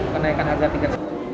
kenaikan harga tiga